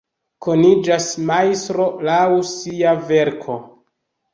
Koniĝas majstro laŭ sia verko.